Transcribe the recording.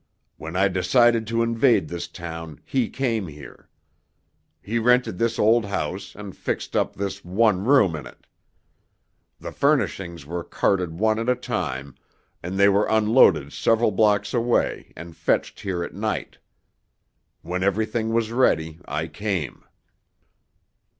When I decided to invade this town he came here. He rented this old house and fixed up this one room in it. The furnishings were carted one at a time, and they were unloaded several blocks away and fetched here at night. When everything was ready, I came.